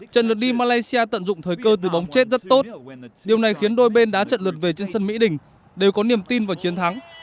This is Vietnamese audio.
trận lượt đi malaysia tận dụng thời cơ từ bóng chết rất tốt điều này khiến đôi bên đã trận lượt về trên sân mỹ đình đều có niềm tin và chiến thắng